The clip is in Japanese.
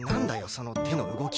その手の動き。